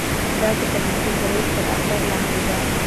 دا د کمیسیون د رییس تر اثر لاندې ده.